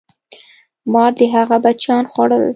مار د هغه بچیان خوړل.